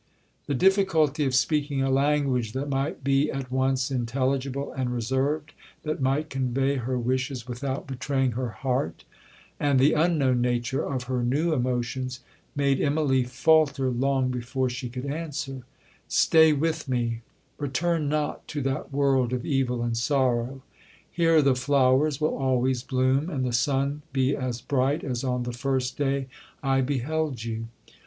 The difficulty of speaking a language that might be at once intelligible and reserved,—that might convey her wishes without betraying her heart,—and the unknown nature of her new emotions, made Immalee faulter long before she could answer, 'Stay with me,—return not to that world of evil and sorrow.—Here the flowers will always bloom, and the sun be as bright as on the first day I beheld you.